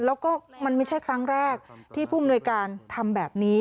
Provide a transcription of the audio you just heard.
แล้วก็มันไม่ใช่ครั้งแรกที่ผู้อำนวยการทำแบบนี้